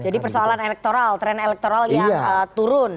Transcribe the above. jadi persoalan elektoral tren elektoral yang turun